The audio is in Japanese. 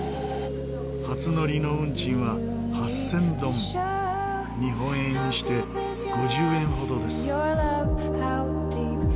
初乗りの運賃は８０００ドン日本円にして５０円ほどです。